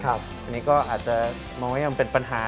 อันนี้ก็อาจจะมองว่ายังเป็นปัญหา